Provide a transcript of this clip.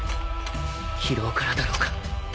疲労からだろうか